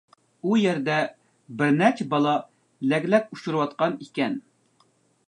ئۇ يەردە بىر نەچچە بالا لەگلەك ئۇچۇرۇۋاتقان ئىكەن.